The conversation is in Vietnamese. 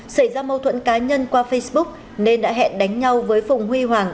xảy ra mâu thuẫn cá nhân qua facebook nên đã hẹn đánh nhau với phùng huy hoàng